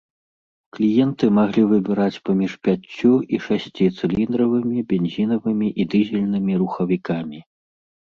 Кліенты маглі выбіраць паміж пяццю- і шасціцыліндравымі бензінавымі і дызельнымі рухавікамі.